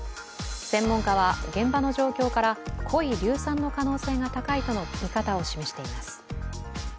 専門家は現場の状況から濃い硫酸の可能性が高いとの見方を示しています。